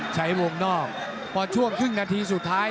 ใช้วงนอกพอช่วงครึ่งนาทีสุดท้าย